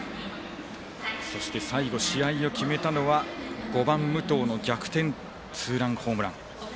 そして最後試合を決めたのは５番、武藤の逆転ツーランホームラン。